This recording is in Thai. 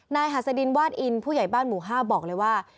นายหัสดินวาดอินผู้ใหญ่บ้านหมู่๕บอกเลยว่า